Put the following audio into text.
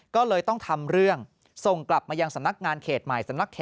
ก็เลยต้องทำเรื่องส่งกลับมายังสำนักงานเขตใหม่